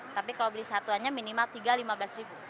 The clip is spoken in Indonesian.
tapi kalau beli satu hanya minimal rp tiga rp lima belas